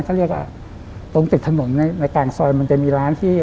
ตรงติดถนนในกลางซอยมันจะมีร้านที่